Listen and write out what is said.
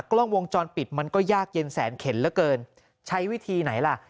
กล้องวงจรปิดมันก็ยากเย็นแสนเข็นเหลือเกินใช้วิธีไหนล่ะ